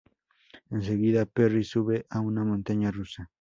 Enseguida, Perry sube a una montaña rusa.